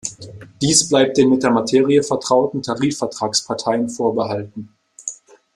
Dies bleibt den mit der Materie vertrauten Tarifvertragsparteien vorbehalten.